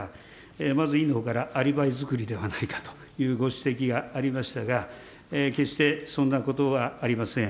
まず委員のほうからアリバイ作りではないかとご指摘がありましたが、決してそんなことはありません。